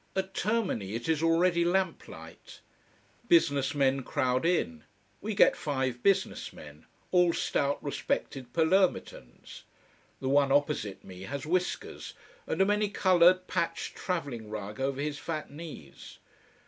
At Termini it is already lamp light. Business men crowd in. We get five business men: all stout, respected Palermitans. The one opposite me has whiskers, and a many colored, patched traveling rug over his fat knees.